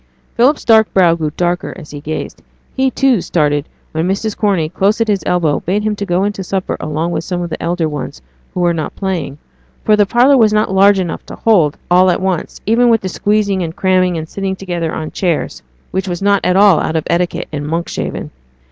Philip's dark brow grew darker as he gazed. He, too, started when Mrs. Corney, close at his elbow, bade him go in to supper along with some of the elder ones, who were not playing; for the parlour was not large enough to hold all at once, even with the squeezing and cramming, and sitting together on chairs, which was not at all out of etiquette at Monkshaven.